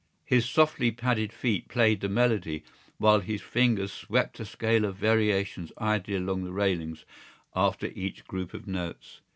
His softly padded feet played the melody while his fingers swept a scale of variations idly along the railings after each group of notes.